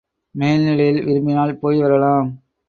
மேல்நிலையில் விரும்பினால் போய்வரலாம்.